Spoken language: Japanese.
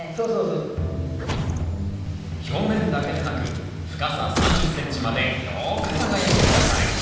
表面だけでなく深さ３０ｃｍまでよく耕して下さい。